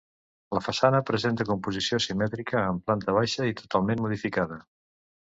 La façana presenta composició simètrica, amb planta baixa i totalment modificada.